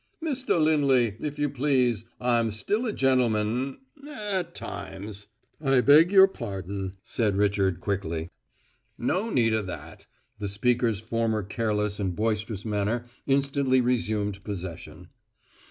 "Mr. Lindley, if you please, I am still a gentleman at times." "I beg your pardon," said Richard quickly. "No need of that!" The speaker's former careless and boisterous manner instantly resumed possession.